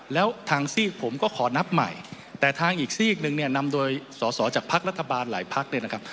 แล้วทางซีกผมก็ขอนับใหม่แต่ทางอีกซีกหนึ่งเนี่ยนำโดยสอสอจากภักดิ์รัฐบาลหลายพักเนี่ยนะครับ